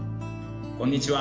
こんにちは。